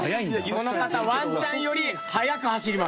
この方ワンちゃんより速く走ります。